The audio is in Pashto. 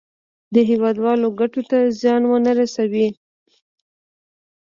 د هېوادوالو ګټو ته زیان ونه رسوي.